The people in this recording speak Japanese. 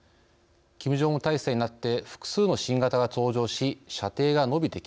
キム・ジョンウン体制になって複数の新型が登場し射程が伸びてきました。